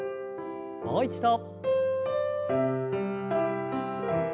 もう一度。